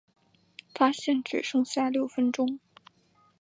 发现只剩下六分钟